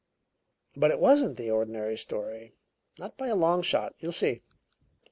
"But it wasn't the ordinary story not by a long shot. You'll see.